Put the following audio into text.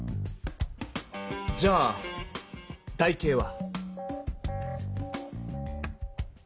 じゃあ台形は。